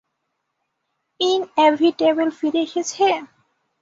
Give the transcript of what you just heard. Inevitable ফিরে এসেছে!